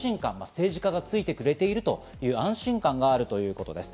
政治家がついてくれているという安心感があるということです。